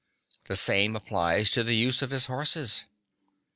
The same applies to the use of horses.